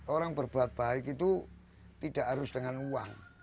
orang berbuat baik itu tidak harus dengan uang